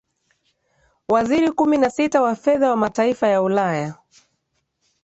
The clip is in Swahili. waziri kumi na sita wafedha wa mataifay ya ulaya